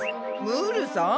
ムールさん？